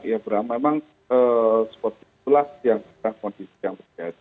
ya memang seperti itulah yang kondisi yang berbeda